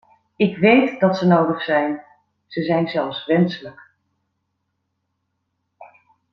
Ik weet dat ze nodig zijn, ze zijn zelfs wenselijk.